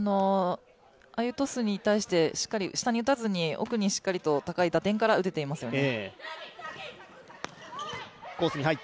ああいうトスに対してしっかり下に打たずに奥にしっかりと高い打点から打てていますよね。